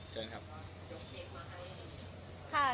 เชิญครับ